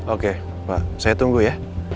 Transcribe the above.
oke pak saya tunggu ya